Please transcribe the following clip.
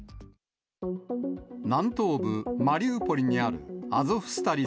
南東部マリウポリにあるアゾフスタリ